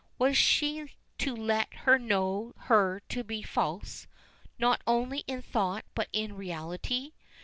Was she to let her know her to be false not only in thought but in reality!